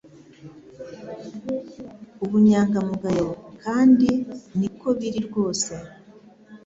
Ubunyangamugayo kandi niko biri rwose